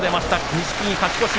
錦木、勝ち越し。